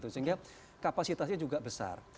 sehingga kapasitasnya juga besar